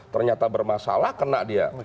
ternyata bermasalah kena dia